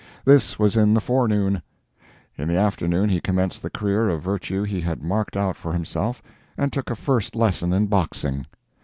This was in the forenoon; in the afternoon he commenced the career of virtue he had marked out for himself and took a first lesson in boxing.